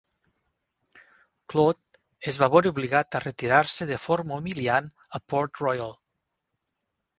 Claude es va veure obligat a retirar-se de forma humiliant a Port Royal.